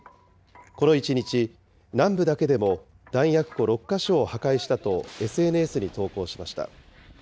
この１日、南部だけでも弾薬庫６か所を破壊したと、ＳＮＳに投稿しました。